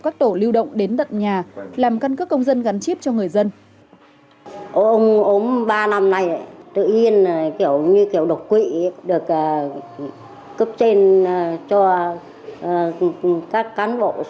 các tổ lưu động đến tận nhà